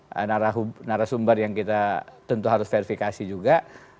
nah ini adalah narasumber yang tentu kita harus verifikasi juga